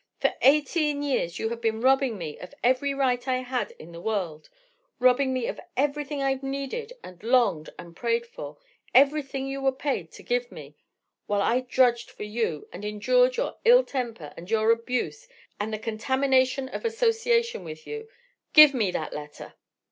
For eighteen years you have been robbing me of every right I had in the world, robbing me of everything I've needed and longed and prayed for, everything you were paid to give me—while I drudged for you and endured your ill temper and your abuse and the contamination of association with you!... Give me that letter."